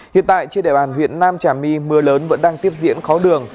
hiện tại trên địa bàn huyện nam trà my mưa lớn vẫn đang tiếp diễn khó lường